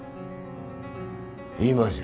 今じゃ。